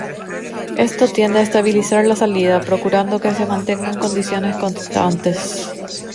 Esto tiende a estabilizar la salida, procurando que se mantenga en condiciones constantes.